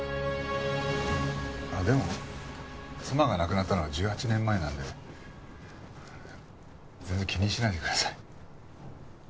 でも妻が亡くなったのは１８年前なので全然気にしないでください。